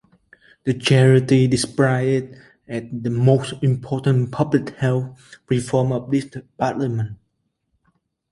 The charity described it as the most important public health reform of this Parliament.